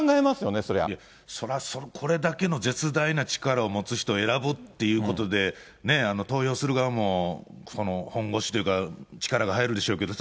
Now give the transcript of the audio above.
そりゃ、これだけの絶大な力を持つ人を選ぶっていうことで、投票する側も本腰というか、力が入るでしょうけど。